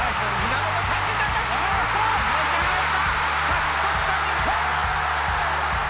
勝ち越した日本！